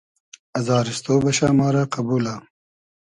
ازاریستۉ بئشۂ ما رۂ قئبولۂ